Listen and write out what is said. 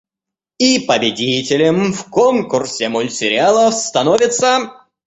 И победителем в конкурсе мультсериалов становится…